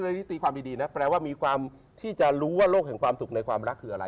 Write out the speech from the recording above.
ที่ตีความดีนะแปลว่ามีความที่จะรู้ว่าโลกแห่งความสุขในความรักคืออะไร